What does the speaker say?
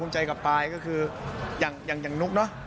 ใจกับปลายก็คืออย่างนุ๊กเนอะ